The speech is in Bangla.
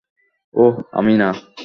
ওহ, আমি না।